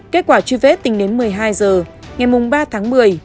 kết quả truy vết tính đến một mươi hai h ngày ba tháng một mươi